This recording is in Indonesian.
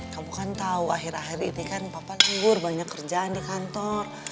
kamu kan tahu akhir akhir ini kan papa libur banyak kerjaan di kantor